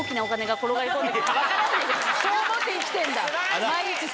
そう思って生きてんだ。